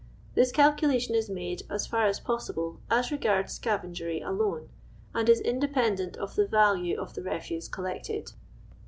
This calculation is made, as tar as possible, as regards scavengery alone ; and is independent of the value of the refuse collected.